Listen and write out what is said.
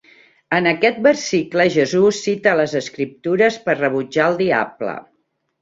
En aquest versicle Jesús cita les escriptures per rebutjar el diable.